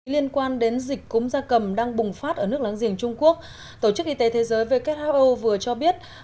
liên quan đến dịch cúm gia cầm đang bùng phát ở nước láng giềng trung quốc tổ chức y tế thế giới who vừa cho biết